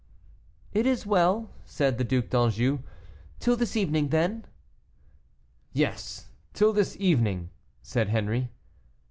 "It is well," said the Duc d'Anjou, "till this evening then." "Yes, till this evening," said Henri.